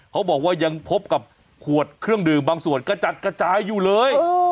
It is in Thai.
เขาบอกว่ายังพบกับขวดเครื่องดื่มบางส่วนกระจัดกระจายอยู่เลย